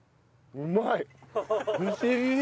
うまい。